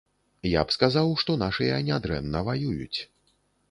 Я б сказаў, што нашыя нядрэнна ваююць.